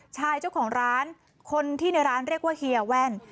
ชายเจ้าของร้านคนที่ในร้านเรียกว่าเฮียแว่น